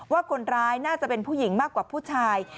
ว่าคนร้ายน่าจะเป็นผู้หญิงมากกว่าผู้ชาย